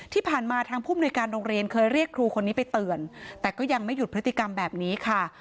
ที่ผ่านมาทางผู้มนุยการโรงเรียนเคยเรียกครูคนนี้ไปเตือนแต่ก็ยังไม่หยุดพฤติกรรมแบบนี้ค่ะ